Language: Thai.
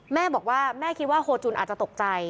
แม่บอกว่าแม่คิดว่าโฮจุนอาจจะตกใจ